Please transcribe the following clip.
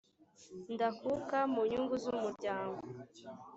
ndakuka mu nyungu z’ umuryango